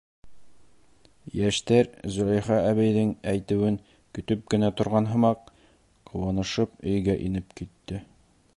Йәштәр, Зөләйха әбейҙең әйтеүен көтөп кенә торған һымаҡ, ҡыуанышып өйгә инеп китте.